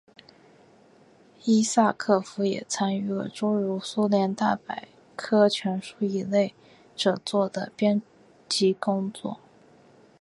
伊萨科夫也参与了诸如苏联大百科全书一类着作的编辑工作。